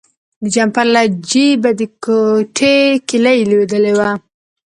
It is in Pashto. د جمپر له جیبه د کوټې کیلي لویدلې وه.